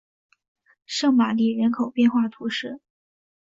圣玛丽人口变化图示